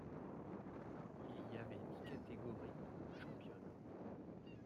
Il y avait dix catégories dans le championnat.